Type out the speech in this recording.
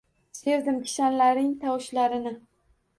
Sevdim kishanlaring tovushlarini